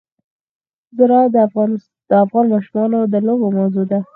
زراعت د افغان ماشومانو د لوبو موضوع ده.